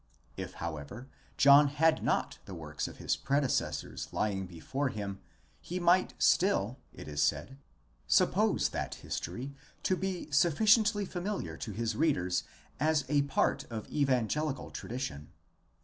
If how ever, John had not the works of his predecessors lying before him, he might still, it is said, suppose that history to be sufficiently familiar to his readers as a part of evangelical tradition.